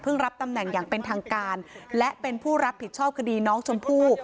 รับตำแหน่งอย่างเป็นทางการและเป็นผู้รับผิดชอบคดีน้องชมพู่